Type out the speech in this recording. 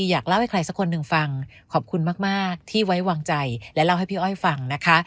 อยากเล่าให้ใครสักคนหนึ่งฟังขอบคุณมากที่ไว้วางใจและเล่าให้พี่อ้อยฟังนะคะ